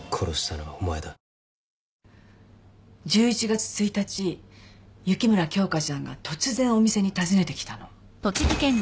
１１月１日雪村京花ちゃんが突然お店に訪ねてきたの。